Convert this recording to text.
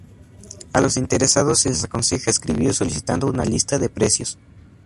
A los interesados se les aconseja escribir solicitando una lista de precios.